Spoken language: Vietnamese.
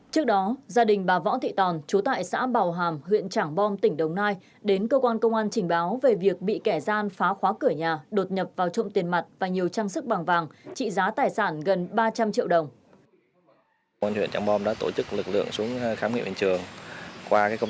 trước đó gia đình bà võ thị tòn chú tại xã bào hàm huyện trảng bom tỉnh đồng nai đến cơ quan công an trình báo về việc bị kẻ gian phá khóa cửa nhà đột nhập vào trộm tiền mặt và nhiều trang sức bằng vàng trị giá tài sản gần ba trăm linh triệu đồng